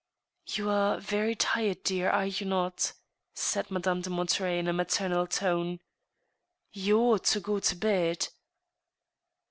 " You are very tired, dear, are you not ?" said Madame de Mon terey, in a maternal tone ;" you ought to go to bed."